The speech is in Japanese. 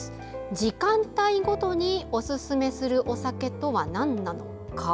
時間帯ごとにおすすめするお酒とはなんなのか。